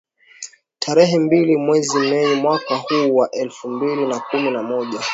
tarehe mbili mwezi mei mwaka huu wa elfu mbili na kumi na moja